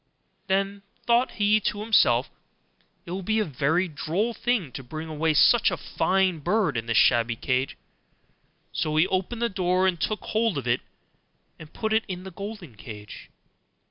Then thought he to himself, 'It will be a very droll thing to bring away such a fine bird in this shabby cage'; so he opened the door and took hold of it and put it into the golden cage.